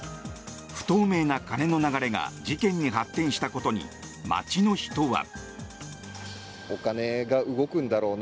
不透明な金の流れが事件に発展したことに街の人は。